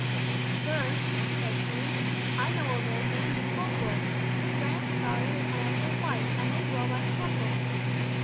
"Sir," said Stephen, "I know an old man named Fulford. His granddaughter is my uncle's wife, and they dwell by the Temple."